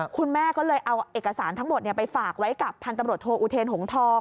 คุณแม่ก็เลยเอาเอกสารทั้งหมดไปฝากไว้กับพันธุ์ตำรวจโทอุเทนหงทอง